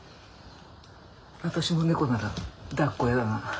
私も猫ならだっこ嫌だな。